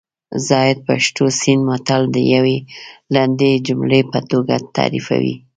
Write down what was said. زاهد پښتو سیند متل د یوې لنډې جملې په توګه تعریفوي